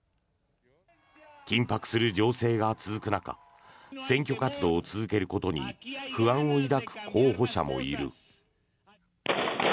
緊迫する情勢が続く中選挙活動を続けることに不安を抱く候補者もいる。